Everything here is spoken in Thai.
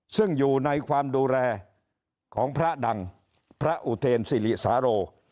ซึ่งอยู่ในความดูแลของพระดังพระอุเทนสิริสาโร